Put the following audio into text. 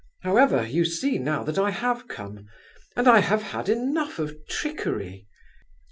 However, you see now that I have come, and I have had enough of trickery.